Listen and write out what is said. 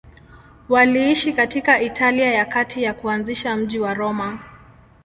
Waliishi katika Italia ya Kati na kuanzisha mji wa Roma.